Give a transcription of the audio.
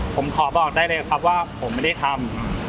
ผมขอบอกได้เลยครับว่าผมไม่ได้ทำ